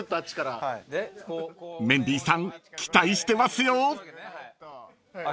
［メンディーさん期待してますよ］